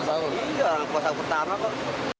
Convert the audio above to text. iya pasang pertama kok